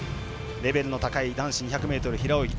レベルの高い男子２００ｍ平泳ぎ。